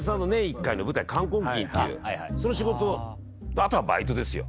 あとはバイトですよ。